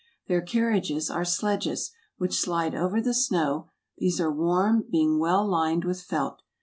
Their carriages are sledges, which slide over the snow; these are warm, being well lined with felt.